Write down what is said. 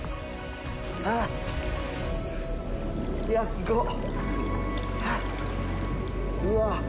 いや、すごっ。